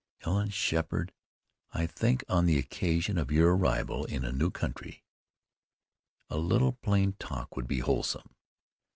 "Helen Sheppard, I think on the occasion of your arrival in a new country a little plain talk will be wholesome.